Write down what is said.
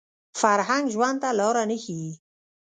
فرهنګ ژوند ته لاره نه ښيي